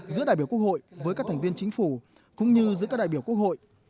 giữa đại biểu quốc hội với các thành viên chính phủ cũng như giữa các đại biểu quốc hội